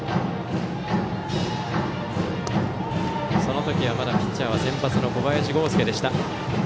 その時はまだピッチャーは先発の小林剛介でした。